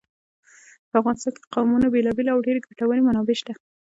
په افغانستان کې د قومونه بېلابېلې او ډېرې ګټورې منابع شته.